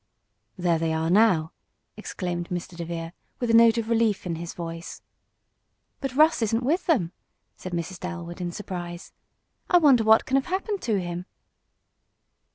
"There they are now!" exclaimed Mr. DeVere, with a note of relief in his voice. "But Russ isn't with them!" said Mrs. Dalwood, in surprise. "I wonder what can have happened to him?"